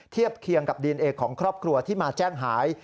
เทียบเคียงกับดีเอนเอของครอบครัวที่มาแจ้งหาย